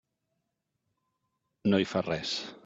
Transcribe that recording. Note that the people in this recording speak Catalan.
No hi fa res.